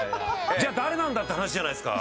じゃあ誰なんだ？って話じゃないですか。